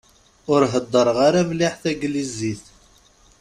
Ur heddreɣ ara mliḥ Taglizit.